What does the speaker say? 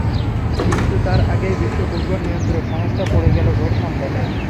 কিন্তু তার আগেই বিশ্ব ফুটবলের নিয়ন্ত্রক সংস্থা পড়ে গেল ঘোর সংকটে।